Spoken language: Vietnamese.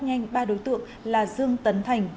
nhanh ba đối tượng là dương tấn thành